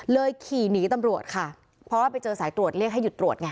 ขี่หนีตำรวจค่ะเพราะว่าไปเจอสายตรวจเรียกให้หยุดตรวจไง